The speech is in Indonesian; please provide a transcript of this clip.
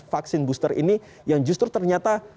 vaksin booster ini yang justru ternyata